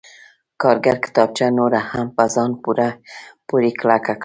کارګر کتابچه نوره هم په ځان پورې کلکه کړه